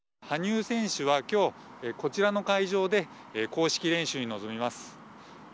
羽生選手は今日こちらの会場で公式練習に臨みます。